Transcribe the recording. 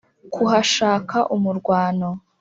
Kuhashaka umurwano